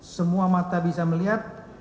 semua mata bisa melihat